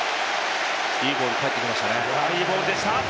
いいボールが返ってきましたね。